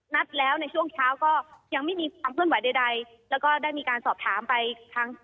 นัดแล้วในช่วงเช้าก็ยังไม่มีคล้ำเวลาใดใดแล้วก็ได้มีการสอบถามไปทั้งทาง